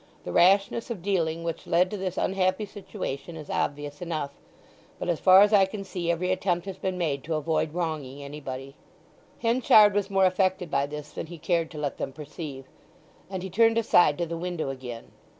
The rashness of dealing which led to this unhappy situation is obvious enough; but as far as I can see every attempt has been made to avoid wronging anybody." Henchard was more affected by this than he cared to let them perceive, and he turned aside to the window again.